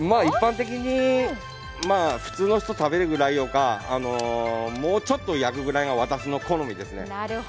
一般的に普通の人食べるくらいよかもうちょっと焼くぐらいが私の好みですね。